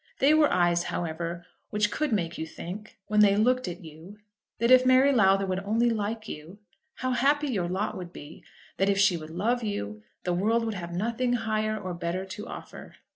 They were eyes, however, which could make you think, when they looked at you, that if Mary Lowther would only like you, how happy your lot would be, that if she would love you, the world would have nothing higher or better to offer.